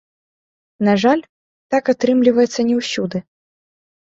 На жаль, так атрымліваецца не ўсюды.